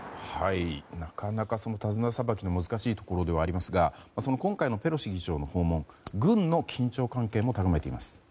なかなか手綱さばきが難しいところではありますが今回のペロシ議長の訪問軍の緊張関係も高めています。